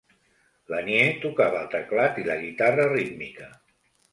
Lanier tocava el teclat i la guitarra rítmica.